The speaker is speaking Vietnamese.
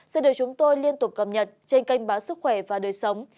sẽ được chúng tôi liên tục cập nhật trên kênh báo sức khỏe và đời sống